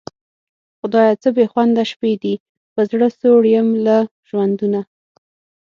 خدایه څه بېخونده شپې دي په زړه سوړ یم له ژوندونه